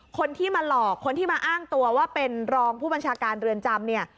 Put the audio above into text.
คนที่มาหลอกคนที่มาอ้างตัวว่าเป็นรองผู้บัญชาการเรือนจำเนี่ย